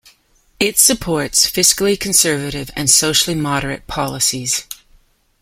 It supports fiscally conservative and socially moderate policies.